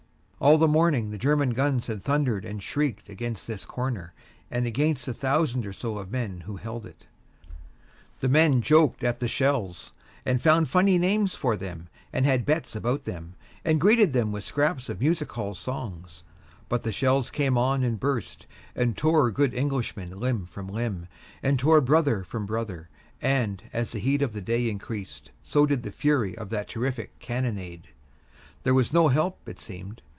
All the morning the German guns had thundered and shrieked against this corner, and against the thousand or so of men who held it. The men joked at the shells, and found funny names for them, and had bets about them, and greeted them with scraps of music hall songs. But the shells came on and burst, and tore good Englishmen limb from limb, and tore brother from brother, and as the heat of the day increased so did the fury of that terrific cannonade. There was no help, it seemed.